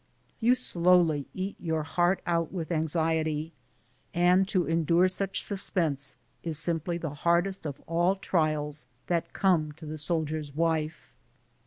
You eat your heart slowly out with anxiety, and to endure such suspense is simply the hardest of all trials that come to the sol dier's wife.